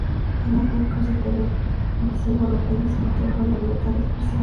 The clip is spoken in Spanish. En aquel cruce televisivo lo que se discutió fue la libertad de expresión.